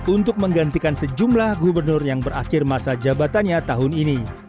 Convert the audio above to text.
untuk menggantikan sejumlah gubernur yang berakhir masa jabatannya tahun ini